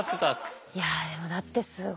いやでもだってすごい。